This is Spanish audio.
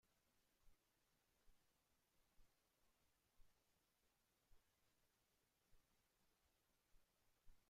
En este caso se trata de una modificación de las danzas europeas.